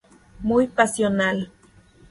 Muy pasional.